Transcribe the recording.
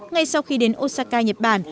ngay sau khi đến osaka nhật bản